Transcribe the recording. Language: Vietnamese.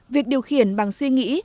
việc điều khiển bằng suy nghĩ